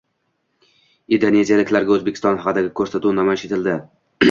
Indoneziyaliklarga O‘zbekiston haqidagi ko‘rsatuv namoyish etildi